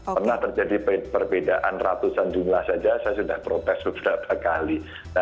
pernah terjadi perbedaan ratusan jumlah saja saya sudah protes beberapa kali